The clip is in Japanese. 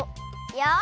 よし。